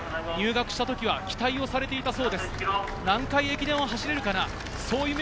入学した時は期待されていたそうです。